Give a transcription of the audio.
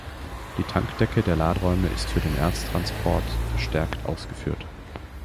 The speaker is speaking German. Die Tankdecke der Laderäume ist für den Erztransport verstärkt ausgeführt.